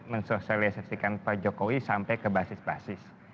mensosialisasikan pak jokowi sampai ke basis basis